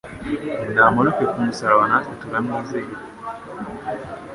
Namanuke ku musaraba natwe turamwizera."